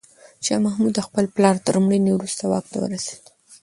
شاه محمود د خپل پلار تر مړینې وروسته واک ته ورسېد.